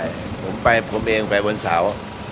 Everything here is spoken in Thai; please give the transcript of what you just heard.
ไม่ไปผมไปผมเองไปบนเสาร์